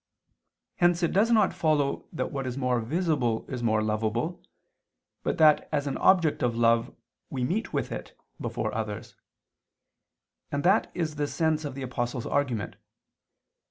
Hence it does not follow that what is more visible is more lovable, but that as an object of love we meet with it before others: and that is the sense of the Apostle's argument.